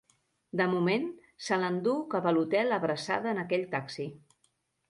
De moment, se l'endú cap a l'hotel Abraçada en aquell taxi.